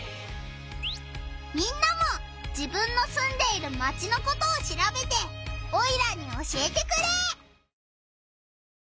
みんなも自分のすんでいるマチのことをしらべてオイラに教えてくれ！